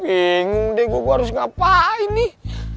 bingung deh gue harus ngapain nih